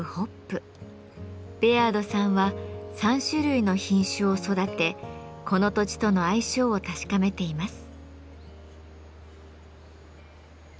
ベアードさんは３種類の品種を育てこの土地との相性を確かめています。